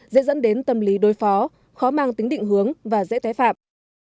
dễ dẫn đến tâm lý đối phó khó mang tính định hướng và dễ tái phạm